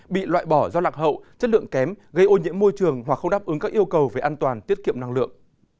bị loại bỏ do lạc hậu chất lượng kém gây ô nhiễm môi trường hoặc không đáp ứng các yêu cầu về an toàn tiết kiệm năng lượng